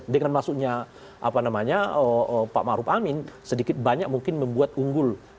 dengan masuknya pak maruf amin sedikit banyak mungkin membuat unggul